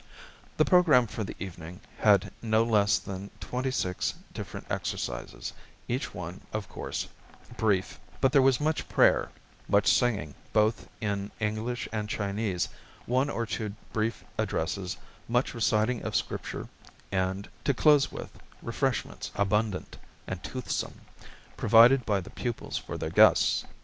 The programme for the evening had no less than twenty six different exercises, each one, of course, brief, but there was much prayer, much singing both in English and Chinese, one or two brief addresses, much reciting of Scripture and to close with, refreshments abundant and toothsome, provided by the pupils for their guests.